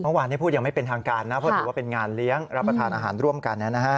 เมื่อวานพูดอย่างไม่เป็นทางการนะเพราะถือว่าเป็นงานเลี้ยงรับประทานอาหารร่วมกันนะฮะ